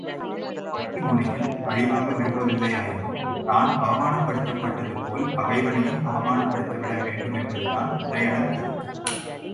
கத்திமுனையில் பழிவாங்க விரும்பவில்லையாயினும் தான் அவமானப் படுத்தப்பட்டது போல் பகைவனையும் அவமானப்படுத்திவிட வேண்டுமென்பதுதான் உதயணன் கருத்து.